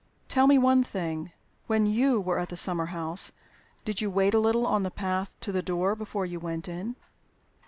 Tell me one thing when you were at the summer house, did you wait a little on the path to the door before you went in?"